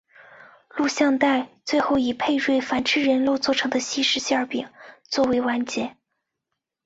录像带最后以佩芮反吃以人肉做成的西式馅饼作完结。